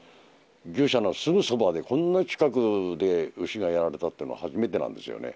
牛舎のすぐそばでこんな近くで、牛がやられたっていうのは初めてなんですよね。